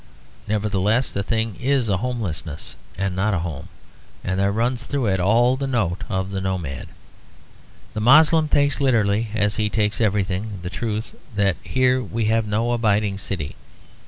Nevertheless, the thing is a homelessness and not a home; and there runs through it all the note of the nomad. The Moslem takes literally, as he takes everything, the truth that here we have no abiding city.